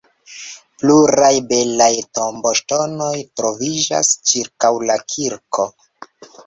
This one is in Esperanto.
Pluraj belaj tomboŝtonoj troviĝas ĉirkaŭ la kirko.